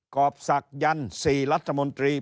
กอบสักยันสี่รัฐมนตรี